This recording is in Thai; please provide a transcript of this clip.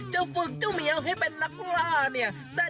จะฝึกเจ้าเหมียวให้เป็นนักล่า